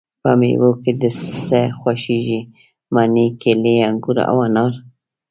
په میوه کی د څه خوښیږی؟ مڼې، کیلې، انګور او انار